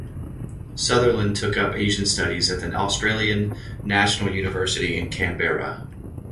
Sutherland took up Asian studies at the Australian National University in Canberra.